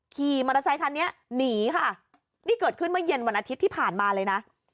ขี่มอเตอร์ไซคันนี้หนีค่ะนี่เกิดขึ้นเมื่อเย็นวันอาทิตย์ที่ผ่านมาเลยนะ